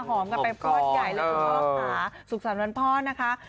กันไปพลวดใหญ่เลยคุณพ่อค่ะสุขสรรค์วันพ่อนะคะ